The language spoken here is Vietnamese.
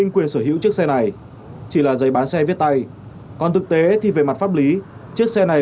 quyền sở hữu chiếc xe này chỉ là giấy bán xe viết tay còn thực tế thì về mặt pháp lý chiếc xe này